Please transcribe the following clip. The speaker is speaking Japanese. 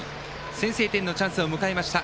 先制点のチャンスを迎えました。